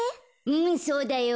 うんそうだよ。